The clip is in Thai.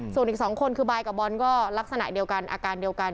ส่วนอีก๒คนคือบายกับบอลก็ลักษณะเดียวกันอาการเดียวกัน